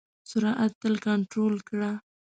سرعت تل کنټرول کړه.